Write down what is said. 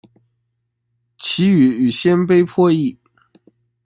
其语与鲜卑颇异。